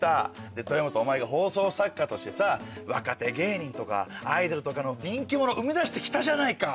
で豊本お前が放送作家としてさ若手芸人とかアイドルとかの人気者を生み出して来たじゃないか。